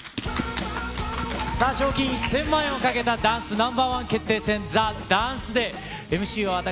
賞金１０００万円をかけたダンスＮｏ．１決定戦ＴＨＥＤＡＮＣＥＤＡＹ。